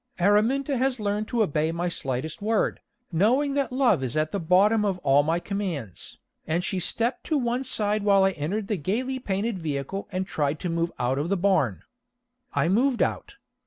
Araminta has learned to obey my slightest word, knowing that love is at the bottom of all my commands, and she stepped to one side while I entered the gayly painted vehicle and tried to move out of the barn. I moved out.